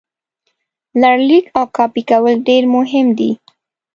لړلیک او کاپي کول ډېر مهم دي.